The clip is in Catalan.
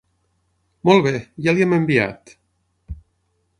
Molt bé, ja li hem enviat.